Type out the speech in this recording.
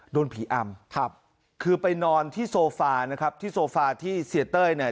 โดนผีอำครับคือไปนอนที่โซฟานะครับที่โซฟาที่เสียเต้ยเนี่ย